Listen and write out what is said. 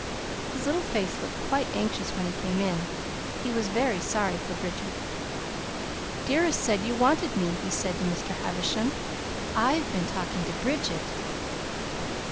His little face looked quite anxious when he came in. He was very sorry for Bridget. "Dearest said you wanted me," he said to Mr. Havisham. "I've been talking to Bridget."